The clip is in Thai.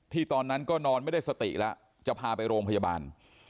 ตอนนั้นก็นอนไม่ได้สติแล้วจะพาไปโรงพยาบาล